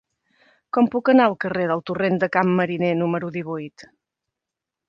Com puc anar al carrer del Torrent de Can Mariner número divuit?